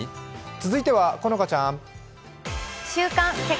続いては、好花ちゃん。